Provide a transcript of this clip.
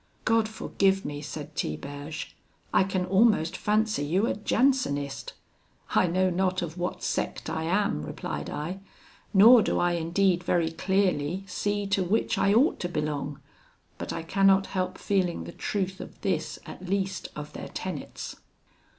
'God forgive me,' said Tiberge, 'I can almost fancy you a Jansenist. 'I know not of what sect I am,' replied I, 'nor do I indeed very clearly see to which I ought to belong; but I cannot help feeling the truth of this at least of their tenets.'